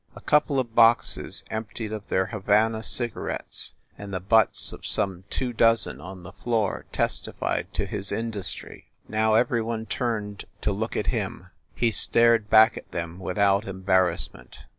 A couple of boxes emptied of their Havana cigarettes and the butts of some two dozen on the floor testified to his industry. Now every one turned to look at him. He stared back at them without embarrassment.